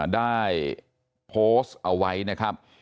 ได้โพสต์เอาไว้นะครับ